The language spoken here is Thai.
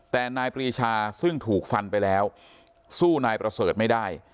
แต่นายปรีชาซึ่งถูกฟันไปแล้วสู้นายประเสริฐไม่ได้